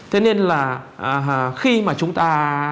thế nên là khi mà chúng ta